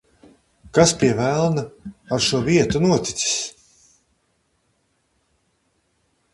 Kas, pie velna, ar šo vietu noticis?